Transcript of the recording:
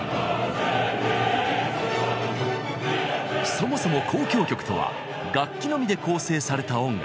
そもそも交響曲とは楽器のみで構成された音楽。